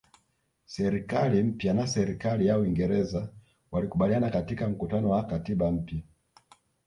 Serikali mpya na serikali ya Uingereza walikubaliana katika mkutano wa katiba mpya